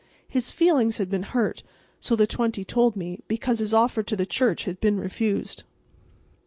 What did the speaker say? His feelings had been hurt, so the twenty told me, because his offer to the church had been refused.